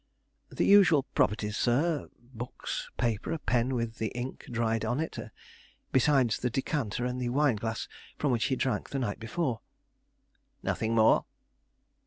"The usual properties, sir, books, paper, a pen with the ink dried on it, besides the decanter and the wineglass from which he drank the night before." "Nothing more?"